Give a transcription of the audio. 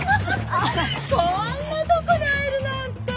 こんなとこで会えるなんて！